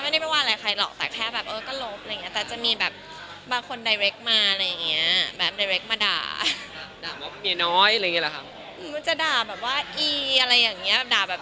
ด่าแบบยาบคลิกคลายอะไรอย่างนี้ค่ะ